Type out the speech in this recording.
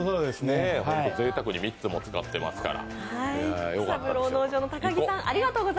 ぜいたくに３つも使ってますから。